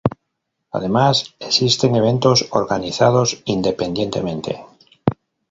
Además existen eventos organizados independientemente.